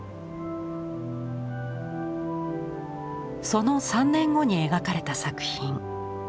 その３年後に描かれた作品。